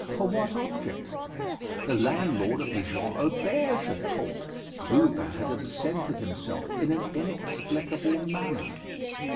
For what object? The landlord of the "Jean Auberge" had talked. Clubin had absented himself in an inexplicable manner.